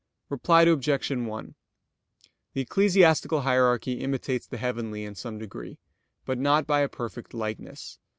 Reply Obj. 1: The ecclesiastical hierarchy imitates the heavenly in some degree, but not by a perfect likeness.